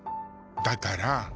だから。